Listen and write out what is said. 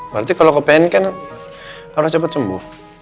berarti kalau kau pengen kan harus cepat sembuh